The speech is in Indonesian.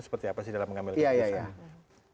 seperti apa sih dalam mengambil keputusan